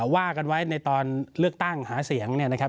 ว่ากันไว้ในตอนเลือกตั้งหาเสียงเนี่ยนะครับ